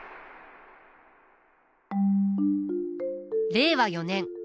令和４年。